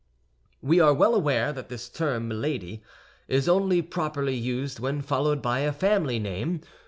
* We are well aware that this term, milady, is only properly used when followed by a family name.